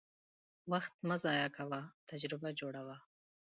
وخت مه ضایع کوه، تجربه جوړه وه.